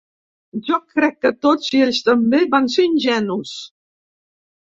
Jo crec que tots, i ells també, van ser ingenus.